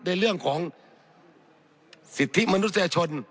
ในเรื่องของสิทธิมนุษยชน